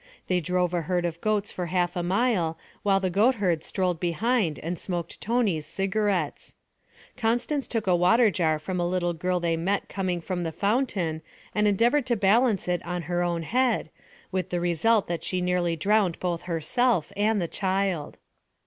They drove a herd of goats for half a mile while the goatherd strolled behind and smoked Tony's cigarettes. Constance took a water jar from a little girl they met coming from the fountain and endeavoured to balance it on her own head, with the result that she nearly drowned both herself and the child.